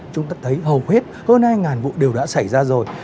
chúng ta thấy hầu hết hơn hai vụ đều đã xảy ra rồi